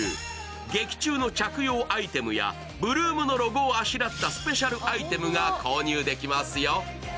劇中の着用アイテムや８ＬＯＯＭのロゴをあしらったスペシャルアイテムが購入できますよ。